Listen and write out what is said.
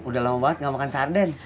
udah lama banget gak makan sarden